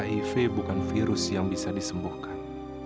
hiv bukan virus yang bisa disembuhkan